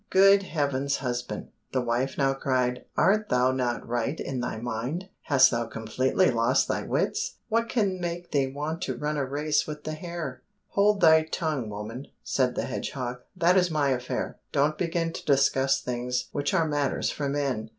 "Good heavens, husband," the wife now cried, "art thou not right in thy mind, hast thou completely lost thy wits? What can make thee want to run a race with the hare?" "Hold thy tongue, woman," said the hedgehog, "that is my affair. Don't begin to discuss things which are matters for men.